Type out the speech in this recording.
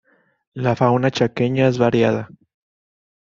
La fauna chaqueña es variada.